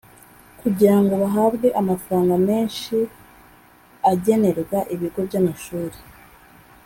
kugirango bahabwe amafaranga menshi agenerwa ibigo by’amashuri